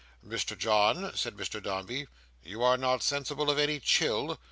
"Mr John," said Mr Dombey, "you are not sensible of any chill?"